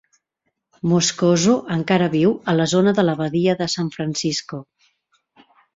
Moscoso encara viu a la zona de la Badia de San Francisco.